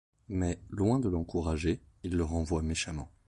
Mais loin de l'encourager, il le renvoie méchamment.